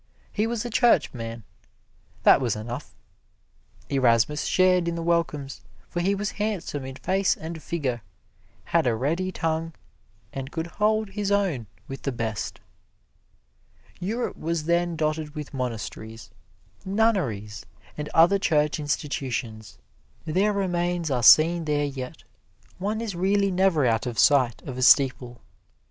He was a Churchman that was enough. Erasmus shared in the welcomes, for he was handsome in face and figure, had a ready tongue, and could hold his own with the best. Europe was then dotted with monasteries, nunneries and other church institutions. Their remains are seen there yet one is really never out of sight of a steeple.